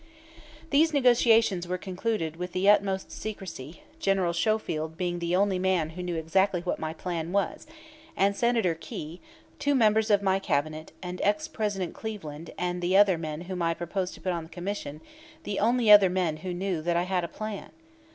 These negotiations were concluded with the utmost secrecy, General Schofield being the only man who knew exactly what my plan was, and Senator Quay, two members of my Cabinet, and ex President Cleveland and the other men whom I proposed to put on the Commission, the only other men who knew that I had a plan.